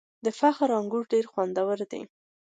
د فخری انګور ډیر خوندور دي.